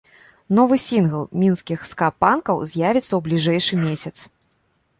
Новы сінгл мінскіх ска-панкаў з'явіцца ў бліжэйшы месяц.